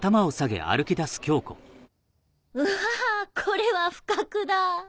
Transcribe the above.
うわこれは不覚だ。